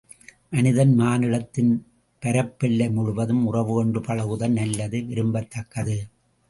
மனிதன் மானுடத்தின் பரப்பெல்லை முழுதும் உறவு கொண்டு பழகுதல் நல்லது விரும்பத்தக்கது.